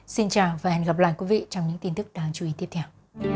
xin chào và hẹn gặp lại trong những tin tức đáng chú ý tiếp theo